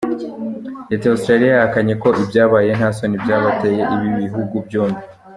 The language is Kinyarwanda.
Leta ya Australia yahakanye ko ibyabaye nta soni byateye ibi bihugu byombi.